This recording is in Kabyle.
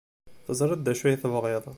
Teẓriḍ d acu ay tebɣiḍ.